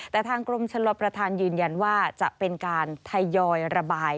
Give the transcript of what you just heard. แต่ทางกรมชลประธานยืนยันว่าจะเป็นการทยอยระบาย